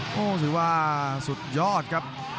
โหสืบว่าสุดยอดครับ